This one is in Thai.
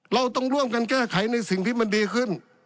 เราต้องร่วมกันแก้ไขในสิ่งที่มันดีขึ้น